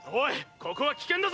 ここは危険だぞ！